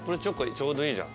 ちょうどいいじゃん。